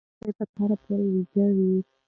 دی به تر سهاره پورې ویده وي.